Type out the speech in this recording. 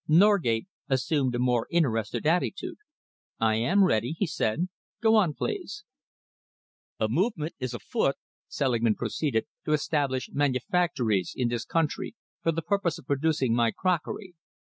Norgate assumed a more interested attitude. "I am ready," he said. "Go on, please." "A movement is on foot," Selingman proceeded, "to establish manufactories in this country for the purpose of producing my crockery.